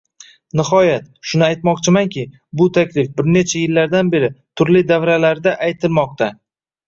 Nihoyat, shuni aytmoqchimanki, bu taklif bir necha yillardan beri turli davralarda aytilmoqda.